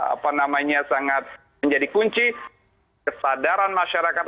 apa namanya sangat menjadi kunci kesadaran masyarakat